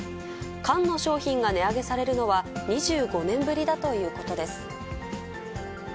缶の商品が値上げされるのは、２５年ぶりだということです。